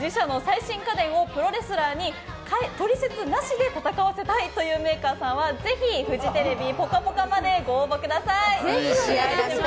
自社の最新家電をプロレスラーに取説なしで戦わせたいというメーカーさんはぜひフジテレビ「ぽかぽか」までご応募ください。